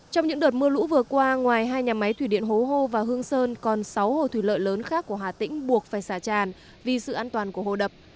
trong những đợt mưa lũ vừa qua ngoài hai nhà máy thủy điện hố hô và hương sơn còn sáu hồ thủy lợi lớn khác của hà tĩnh buộc phải xả tràn vì sự an toàn của hồ đập